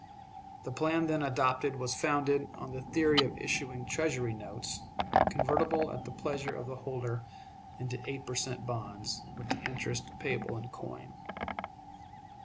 The plan then adopted was founded on the theory of issuing Treasury notes, convertible at the pleasure of the holder into eight per cent. bonds, with the interest payable in coin.